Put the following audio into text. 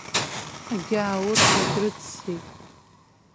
Агьааурқәа дрыццеит.